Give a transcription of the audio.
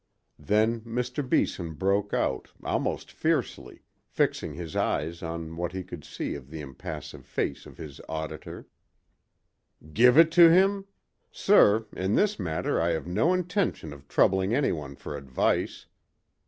Then Mr. Beeson broke out, almost fiercely, fixing his eyes on what he could see of the impassive face of his auditor: "Give it him? Sir, in this matter I have no intention of troubling anyone for advice.